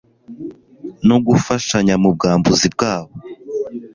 no gufashanya mu bwambuzi bwabo.